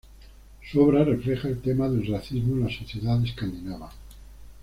Su obra refleja el tema del racismo en la sociedad escandinava.